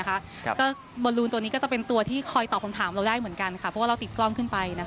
การ์ดระบบนี้เป็นตัวที่คอยตอบคำถามเราได้เพราะเราติดกล้องขึ้นไป